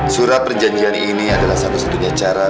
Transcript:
surat perjanjian ini adalah satu satunya cara